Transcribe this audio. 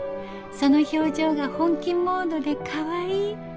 その表情が本気モードでカワイイ。